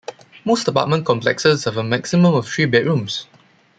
Most apartment complexes have a maximum of three bedrooms.